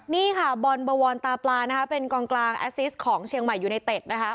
นี่ค่ะบอลบวรตาปลานะคะเป็นกองกลางแอซิสของเชียงใหม่ยูไนเต็ดนะคะ